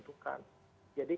jadi kemungkinan saja ya